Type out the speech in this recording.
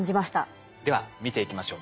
では見ていきましょう。